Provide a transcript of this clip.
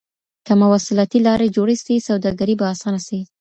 که مواصلاتي لاري جوړي سي سوداګري به اسانه سي.